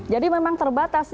jadi memang terbatas